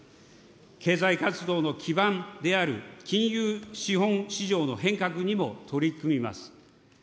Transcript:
経済活動の基盤である金融資本市場の変革にも取り組みます。